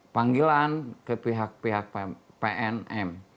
panggilan ke pihak pihak pnm